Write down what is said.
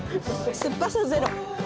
酸っぱさゼロ。